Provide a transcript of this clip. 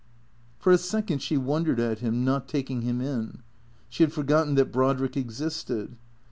For a second she wondered at him, not taking him in. She had forgotten that Brodrick existed.